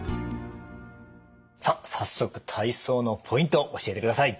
さあ早速体操のポイント教えてください！